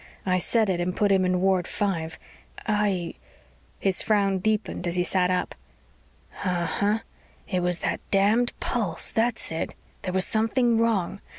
I set it and put him in ward five. I " His frown deepened as he sat up. "Uh huh. It was that damned pulse. That's it. There was something wrong.